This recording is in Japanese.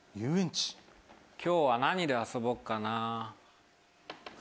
今日は何で遊ぼうかな。